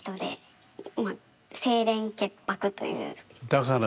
だから